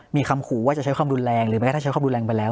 มีคำขู่ว่าจะใช้ความรุนแรงหรือแม้กระทั่งใช้ความรุนแรงไปแล้ว